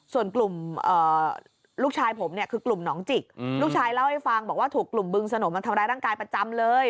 ส่วนกลุ่มลูกชายผมเนี่ยคือกลุ่มหนองจิกลูกชายเล่าให้ฟังบอกว่าถูกกลุ่มบึงสนมมันทำร้ายร่างกายประจำเลย